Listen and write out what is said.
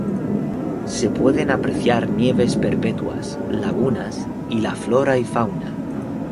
Se pueden apreciar nieves perpetuas, lagunas; y la flora y fauna.